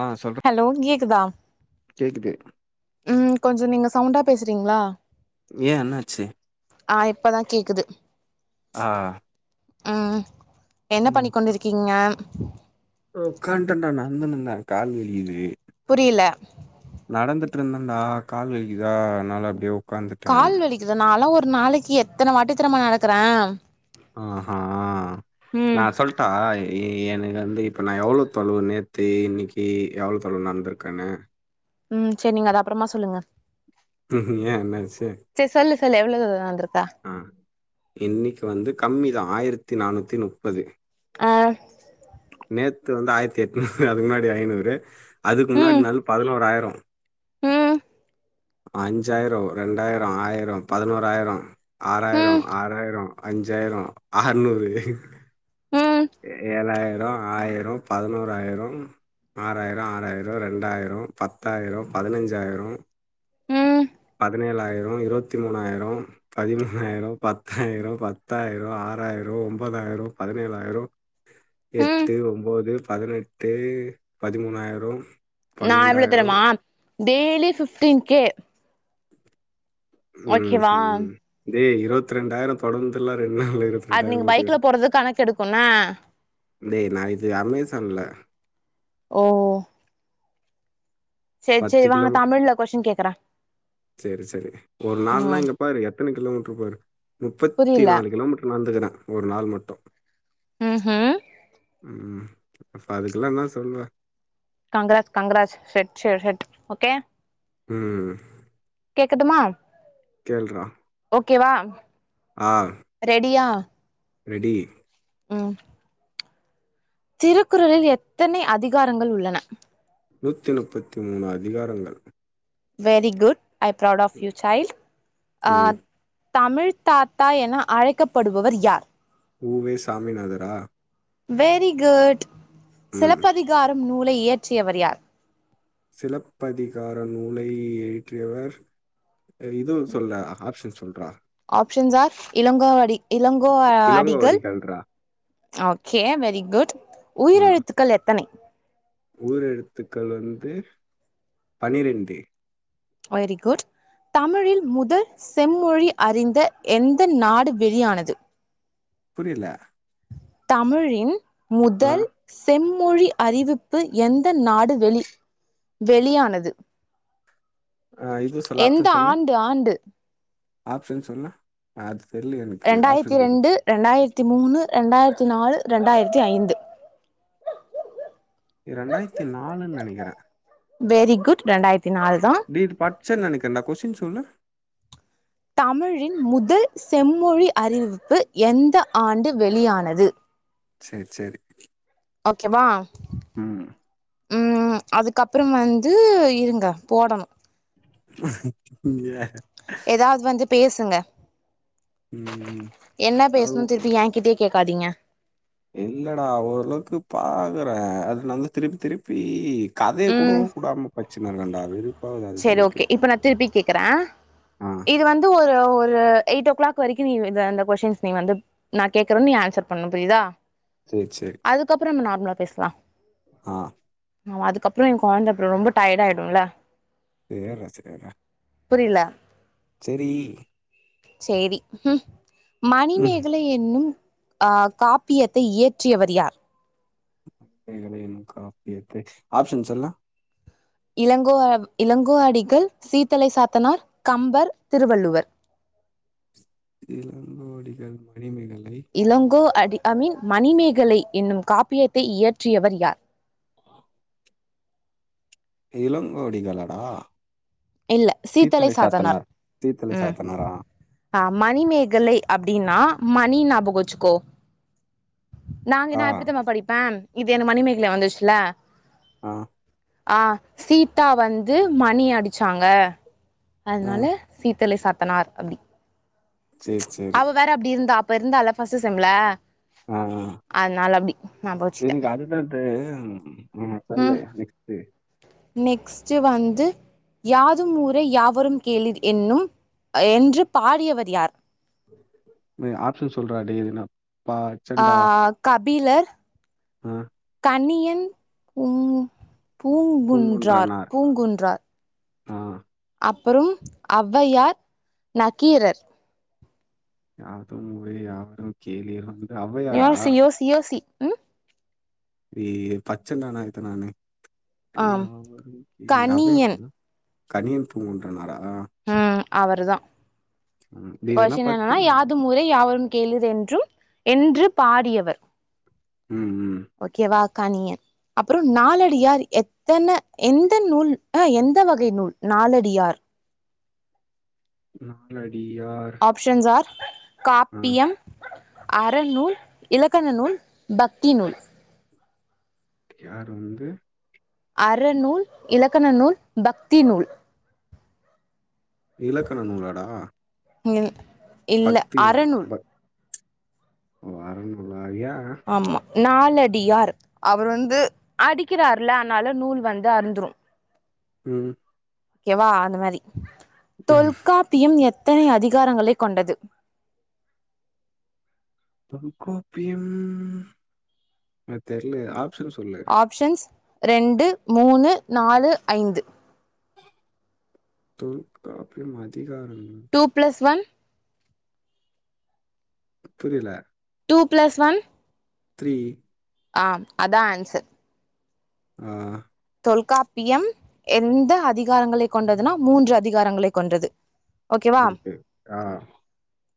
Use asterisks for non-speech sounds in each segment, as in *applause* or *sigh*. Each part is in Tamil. ஆ சொல்ற ஹலோ கேக்குதா கேக்குது ம் கொஞ்சோ நீங்க சவுண்டா பேசுறீங்ளா ஏ என்னாச்சு ஆ இப்பதா கேக்குது ஆ ம் என்ன பண்ணிக் கொண்டிருக்கீங்க ஒக்கான்டு இருந்த நந்துனுந்துனு இருந்த கால் வலிக்குது புரில நடந்துட்டு இருந்தடா கால் வலிக்குதா அனால அப்டியே ஒ கால் வலிக்குதா நாலா ஒரு நாளைக்கி எத்தன வாட்டித் தெரிமா நடக்கற ஆஹா நா சொல் ட்டா ஏ எனக்கு வந்து இப்போ நா எவ்ளோ தொளவு நேத்து இன்னைக்கி எவ்ளோ தொளவு நடந்திருக்கேன்னு ம் செரி நீங்க அது அப்பறமா சொல்லுங்க ம் ம் ஏன் என்ன ஆச்சி செர் சொல்லு சொல்லு எவ்ளோ தூரம் வந்து இருக்க ஆ இன்னைக்கு வந்து கம்மி தா ஆயிரத்தி நானூத்தி முப்பது ஆ நேத்து வந்து ஆயிரத்தி எட்நூறு அதுக்கு முன்னாடி ஐநூறு அதுக்கு முன்னாடி ம் நாள் பதினோருராயிரோ ம் அஞ்சாயிரோ ரெண்டாயிரோ ஆயிரோ பதினோறாயிரோ ஆறாயிரோ ம் ஆறாயிரோ அஞ்சாயிரோ ஆர்நூறு ம் ஏழாயிரோ ஆயிரோ பதினோறாயிரோ ஆறாயிரோ ஆறாயிரோ ரெண்டாயிரோ பத்தாயிரோ பதினஞ்சாயிரோ ம் பதினேழாயிரோ இருபத்தி மூணாயிரோ பதிமூணாயிரோ பத்தாயிரோ பத்தாயிரோ ஆறாயிரோ ஒன்பதாயிரோ பதினேழாயிரோ ம் எட்டு ஒன்பது பதினெட்டு பதிமூனாயிரோ நா எவ்ளோ தெரிமா டெய்லி ஃபிப்ட்டின் கே ம் ஓகேவா ம் டே இருவத்தி ரெண்டாயிரோ தொடர்ந்துல்லா ரெண்டு நாள் இரு அது எட்டாயிரோ நீங்க போட்டுர பைக்ல போறது கணக்கு எடுக்கும்ன டே நா இது அமேசான்ல ஓ சேர் பத்து சேர் வாங்க தமிழ்ல கொஸின் கேக்குற சேர் சேரி ஒரு நாள்ல்லா இங்க பாரு எத்தன கிலோமீட்டரு பாரு முப்பத்தி புரியல நாலு கிலோமீட்டர் நடந்துக்குற ஒரு நாள் மட்டோ ம் ம் ம் அப்ப அதுக்கெல்லா என்ன சொல்லுவ கங்கராஜ் கங்கராஜ் ரெட் சில்ரட் ஓகே ம் ம் கேக்கட்டும்மா கேள்றா ஓகேவா ஆ ரெடியா ரெடி ம் திருக்குறளில் எத்தனை அதிகாரங்கள் உள்ளன நூத்தி முப்பத்தி மூணு அதிகாரங்கள் very good I proud of you child ம் தமிழ் தாத்தா என அழைக்கப்படுபவர் யார் உ வே சாமினாதரா வெரி குட் ம் சிலப்பதிகாரம் நூலை இயற்றியவர் யார் சிலப்பதிகார நூலை இயற்றியவர் எய் இதுவு சொல்டா ஆப்ஷன் சொல்றா ஆப்ஷன்ஸ் ஆர் இலங்கோவடி இலங் கோ அடிகள் இளங்கோவடிகள்றா ஓகே வெரி குட் உயிரெழுத்துக்கள் எத்தனை ஊயிர் எழுத்துக்கள் வந்து பன்னிரெண்டு வெரி குட் தமிழின் முதல் செம்மொழி அறிந்த எந்த நாடு வெளியானது புரியில தமிழின் ஆ முதல் செம்மொழி அறிவிப்பு எந்த நாடு வெளி வெளியானது ஆ இது எந்த ஆண்டு ஆண்டு ஆப்சன் சொன்னா ஆ அத் தெர்லயே எனக்கு ரெண்டாயிரத்தி ஆப்ஷன் சொல்லு ரெண்டு ரெண்டாயிரத்தி மூணு ரெண்டாயிரத்தி நாலு ரெண்டாயிரத்தி ஐந்து இத் ரெண்டாயிரத்தி நாலுன் நெனைக்கறே வெரி குட் ரெண்டாயிரத்தி நால்தா டேய் இது பச்சே நெனைக்கறன்டா கொஸ்டின் சொல்லு தமிழின் முதல் செம்மொழி அறிவிப்பு எந்த ஆண்டு வெளியானது சேர் சேரி ஓகேவா ம் ம் அதுக்கப்றோ வந்து இருங்க போடணு *inaudible* ஏதாவது வந்து பேசுங்க ம் என்ன அது பேஸ்ணுன் ஒ- திருப்பி எங்கிட்டயே கேக்காதீங்க இல்லடா ஓரளவுக்கு பாக்கறே அதுலிருந்து திருப்பி திருப்பி கதைய கூட ம் கூடாம பச்சினுருக்கேன்டா அது சேரி ஓகே இப்ப நா திருப்பி கேக்குறே ஆ இது வந் து ஒரு ஒரு எயிட் ஓ க்ளாக் வரைக்கு நீ வித இந்த கொஷின்ஸ் நீ வந்து நா கேக்கறே நீ ஆன்சர் பண்ணு புரியுதா சேர் சேரி அதுக்கப்றோ நம்ம நார்மலா பேசலா ஆ மா அதுக்கப்றோ ஏ கொழந்த ப்ரோ ரொம்ப டயாயிடுல்ல இதவே ரசிச்சின்றுக்கற புரியில சேரி சேரி உம் ம் மணிமேக லை என்னும் அ காப்பியத்தை இயற்றியவர் யார் மணிமேகலை என்னும் காப்பியத்தை ஆப்ஷன்ஸ் சொல்லு இளங்கோஅவ் இளங்கோ அடிகள் சீத்தலை சாத்தனார் கம்பர் திருவள்ளுவர் இளங்கோஅடிகள் மணிமேகலை இளங்கோ அடி ஐ மீன் மணிமேகலை என்னும் இயற்றியவர் யார் ஆ இளங்கோவடிகளாடா சீத்தலை சாத்தனார் சீத்தலை ம் சாத்தனாரா ஆ மணிமேகலை அப்டின்னா மணி ஞாபகோ வெச்சுக்கோ நாங்க ஆ நா எப்டி தெரிம்மா படிப்பே இது என மணிமேகல வந்துச்சுல ஆ ஆ சீதா வந்து மணி அடிச்சாங்க ஆ அத்னால சீத்தலை சாத்தனார் அப்டி சேரி சேரி அவ வேற அப்டி இருந்தா அப்ப இருந்தால பஸ்ட்டு செம்ல ஆ ஆ அத்னால அப்டி ஞாபோ வச்டே அது என்ன தெர்லையே நெக்ஸ்ட்டு நெக்ஸ்ட்டு வந்து யாதும் ஊரே யாவரும் கேளிர் என்னும் என்று பாடியவர் யார் மெ ஆப்ஷன் சொல்றா டேய் எதுனா பா ஆ கபிலர் ம் கனியன் பூங் பூங்குன்றார் பூங்குன்றார் அ அப்புறும் ஒளவையார் நக்கீரர் யாதும் ஊரே யாவரும் கேளிரும் ய்யாசி யோசி யோசி ம் ஏ பட்ச்னேன்டா நா இத நானு எ ஆம் யாவரும் கேளிர் ஒளவையார் கணியன் தான கனியன் பூங்குன்றனாரா உம் அவரு தா ம் டேய் இதெல்லா கொஸ்ஸின் என்னன்னா பச்சண்டா யாதும் ஊரே யாவரும் கேளிர் என்றும் என்று பாடியவர் ம் ம் ஓகே வா கனியன் அப்புறோ நாலடியார் எத்தன எந்த நூல் அ எந்த வகை நூல் நாலடியார் நாலடியார் ஷன்ஸார் ஆ காப்பியம் அறநூல் இலக்கண நூல் பக்தி நூல் யாரு வந்து அறநூல் இலக்கண நூல் பக்தி நூல் இலக்கண நூலாடா ம் இல்ல அறநூல் ஒ அறநூலா ஏ ஆமா நாலடியார் அவர் வந்து அடிக்கிறார்ல அத்னால நூல் வந்து அறுந்துரு ம் ஓகே வா அந்த மாரி ம் தொல்காப்பியம் எத்தனை அதிகாரங்களை கொண்டது தொல்காப்பியம் நூற் தெர்லயே ஆப்ஷன் சொல்லு ஆப்ஷன்ஸ் ரெண்டு மூணு நாலு ஐந்து தொல் காப்பியம் அதிகாரம் டூ ப்ளஸ் ஒன் புரியல டூ ப்ளஸ் ஒன் த்ரீ ஆ அதா ஆன்சர் ஆ தொல்காப்பியம் எந்த அதிகாரங்களை கொண்டதுன்னா மூன்று அதிகாரங்களை கொண்டது. ஓகே வா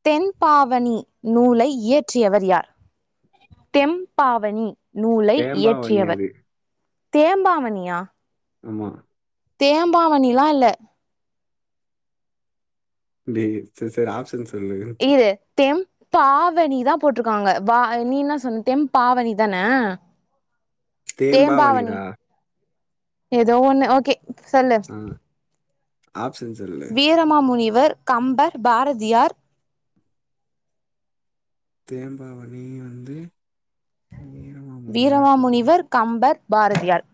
தென்பாவணி நூலை இயற்றியவர் யார் ம்பாவனி நூலை தேம்பாவணி இயற்றியவர் அது தேம்பாவனியா உம் தேம்பாவனில்லா இல்ல ப்ளீஸ் செரி செரி ஆப்ஷன் சொல்லு கு தெம் பாவனி தா போட்ருக்காங்க வா நீ இன்னா சொன்ன தென்பாவனி தான தேம்பாவனி தேம்பாவணிடா ஏதோ ஒண்ணு ஓகே சொல்லு உம் ஆப்ஷன் சொல்லு வீரமாமுனிவர் கம்பர் பாரதியார் தேம்பாவனி வந்து வீரமாமுனிவர் இருக்காங்க வீரமாமுனிவர் கம்பர் பாரதியார்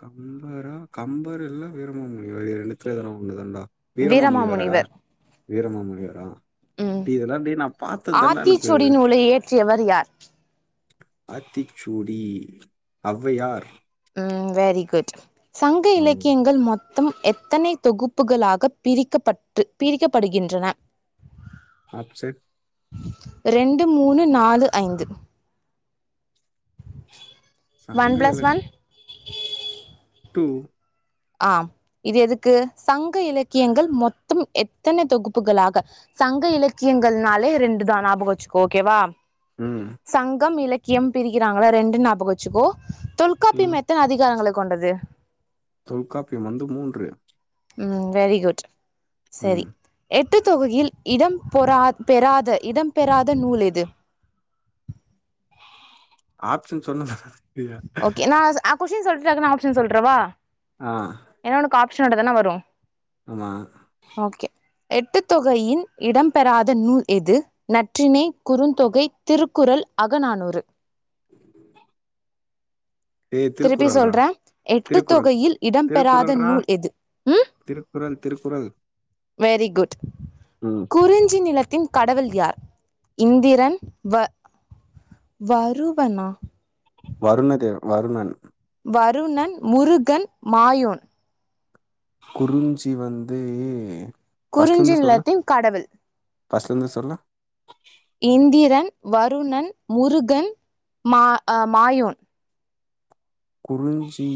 கம்பரா கம்பர் இல்ல வீரமாமுனிவர் இது ரெண்டுத்துல எதனா ஒண்ணு தாண்டா வீரமாமுணி வரடா வீரமாமுனிவர் வீரமாமுணி வரா ம் டேய் இதெல்லா டேய் நா பாத்ததுதான்டாஇருக்கு ஆத்திச்சூடி நூலை இயற்றியவர் யார் ஆத்திச்சூடி ஔவையார் உம் வெரி குட் சங்க ம் இலக்கியங்கள் மொத் த்தம் எத்தனை தொகுப்புகளாக பிரிக்கப்பட்டு பிரிக்கப்படுகின்றன ஆப்சன் ரெண்டு மூணு நாலு ஐந்து ஒன் சங்க இல பிளஸ் ஒன் டூ ஆ இது எதுக்கு சங்க இலக்கியங்கள் மொத்தம் எத்தன தொகுப்புகளாக சங்க இலக்கியங்கள்னாலே ரெண்டு தா ஞாபகோ வச்சுக்கோ ஓகேவா உம் சங்கம் இலக்கியம் பிரிக்கிறாங்களா ரெண்டுன் ஞாபகம் வச்சுக்கோ தொல் ம் தொல்காப்பியம் எத்தன அதிகாரங்களை கொண்டது தொல்காப்பியம் வந்து மூன்று உம் வெரி குட் சரி ம் எட்டு தொகுயில் இடம் பொறா பெறாத இடம் பெறாத நூல் எது ஆப்சன் சொல்லுங்க ஓகே நா அ கொஷின் சொல்ட்டு டக்னு ஆப்ஷன் சொல்றவா ஆ ஏன்னா உனக்கு அப்சன் ஓடத்தான வரும் ஆமா ஓகே எட்டு தொகையின் இடம் பெறாத நூல் எது நற்றினை குறுந்தொகை திருக்குறள் அகநானூறு *inaudible* டேய் திருப்பி திருக்குறள்றா சொல்றே எட்டு திருக்குறள் தொகையில் இடம் பெறாத திருக்குறள்றா நூல் எது திருக்குறள் திருக்குறள் வெரி குட் ம் குறிஞ்சி நிலத்தின் கடவுள் யார் இந்திரன் வ வருவனா வருண்ண தே வருணண் வருணன் முருகன் மாயூன் குறிஞ்சி வந்து ஃபர்ஸ்ட்ல குறிஞ்சி இருந்து சொல்லு நிலத்தின் கடவுள் ஃபர்ஸ்ட்ல இருந்து சொல்லு இந்திரன் வருணன் முருகன் மா மாயோன் குறிஞ்சி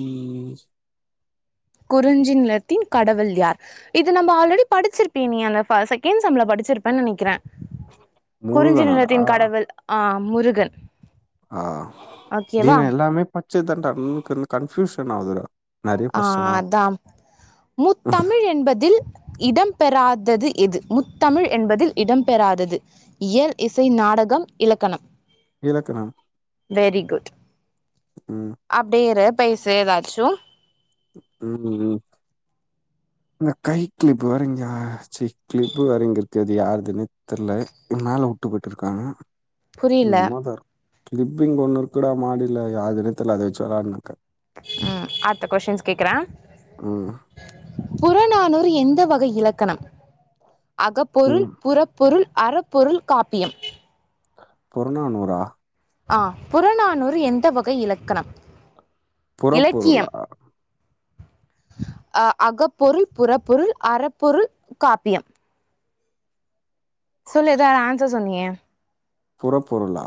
குறிஞ்சி நிலத்தின் கடவுள் யார் இது நம்ம ஆல்ரெடி படிச்சிருப்பே நீ அந்த ஃப செகண்ட் செம்ல படிச்சிருப்பேனு நெனக்கிறேன் குறிச்சி நிலத்தின் முருகனாடா கடவுள் ஆ முருகன் ஆ ஓகேவா தீமே எல்லாமே பச்சதுதான்டா ம் கரும கன்பியூஷன் ஆகுதுட ஆ அதான் முத்தமிழ் என்பதில் இடம் இடம் பெறாதது எது முத்தமிழ் என்பதில் இடம் பெறாதது இயல் இசை நாடகம் இலக்கணம் இலக்கணம் வெரி குட் ம் அப்டியே இரு பேசு ஏதாச்சும் ம் ம் இந்த கை கிளிப்பு வேற இங்க சீ கிளிப்பு வேற இங்க இருக்குது யாருதுன்னு தெரியல என் மேல உட்டு போயிட்டு இருக்காங்க புரியல நம்மதார் கிளிப்பு இங்க ஒன்னு இருக்குல்ல மடில யாருதுனே தெர்ல அதா வெச்சி விளாடினு இருக்க ம் அடுத்த கொஸ்டின்ஸ் கேக்குறேன் ம் புறநானூறு எந்த வகை இலக்கணம் அகப்பொருள் ம் புறப் பொருள் அறப்பொருள் காப்பியம் புறநானுறா ஆ புறநானூறு எந்த வகை இலக்கணம் புறப்பொருளா இலக்கியம் ஆ அகப்பொருள் புறப்பொருள் அறப்பொருள் காப்பியம் சொல்லு எதோ ஆ ஆன்சர் சொன்னீயே புறப்பொருளா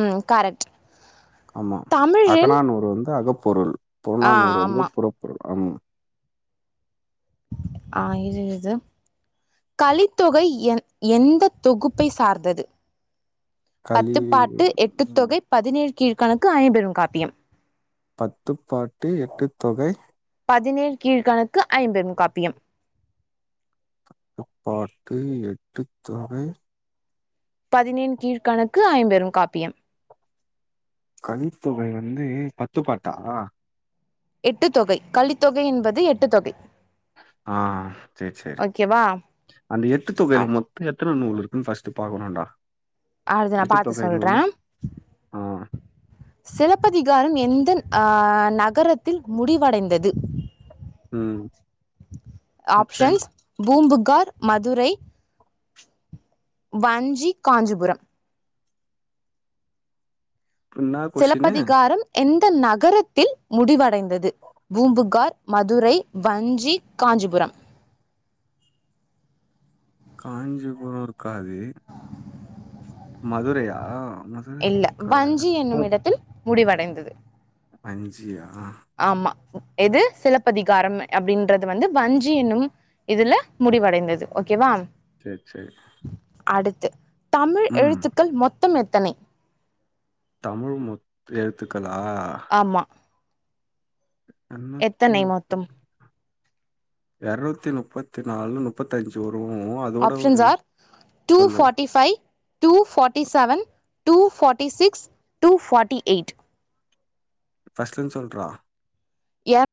ம் கரெக்ட் ஆமா தமிழின் அகநானூறு வந்து அகப்பொருள் ஆ புறனானூறு வந்து ஆமா புறப்பொருள் ஆமா ஆ இது இது களித்தொகை எந் எந்த தொகுப்பை சார்ந்தது களி பத்துபாட்டு ம் எட்டுதொகை பதினேழு கீழ்கணக்கு ஐம்பெறும் காப்பியம் பத்துப்பாட்டு எட்டுத்தொகை பதினேழு கீழ்கணக்கு ஐம்பெரும் காப்பியம் த்துப்பாட்டு எட்டுத்தொகை பதினேழு கீழ்கணக்கு ஐம்பெரும் காப்பியம் கழித்தொகை வந்து பத்து பாட்டா எட்டு தொகை களித்தொகை என்பது எட்டு தொகை ஆ சேரி சேரி ஓகேவா அந்த எட்டு தொகைல அ- மொத்த எத்தன நூல் இருக்குன்னு ஃபர்ஸ்ட் பாக்கணும்டா அத எட்டு பாத்து தொகை நூலு சொல்றேன் ஆ சிலப்பதிகாரம் எந்த ஆ நகரத்தில் முடிவடைந்தது ம் ஆப்ஷன் ஆப்ஷன்ஸ் பூம்புகார் மதுரை வஞ்சி காஞ்சிபுரம் என்னா கொஸ்டினு சிலப்பதிகாரம் எந்த நகரத்தில் முடிவடைந்தது பூம்புகார் மதுரை வஞ்சி காஞ்சிபுரம் காஞ்சிபுரம் இருக்காது மதுரையா மதுரை இல்ல இருக்காதுடா வஞ்சி என்னும் இடத்தில் முடிவடைந்தது வஞ்சியா ஆமா எது சிலப்பதிகாரம் அப்படின்றது வந்து வஞ்சி எனும் இதுல முடிவடைந்தது ஓகேவா சேர் சேர் அடுத்து தமிழ் எழுத்துக்கள் மொத்தம் எத்தனை தமிழ் முத் எழுத்துக்களா ஆமா எண்ணூத்தி எத்தனை மொத்தம்? முப்பத்தி எரநூத்தி முப்பத்தி நாலு நுப் முப்பத்தஞ்சு வரும் அதோட ஒரு சொல்லு five two forty seven two forty six two forty eight ஃபஸ்ட்லேந்து சொல்றா யாப்